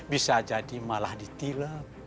bisa jadi malah ditilam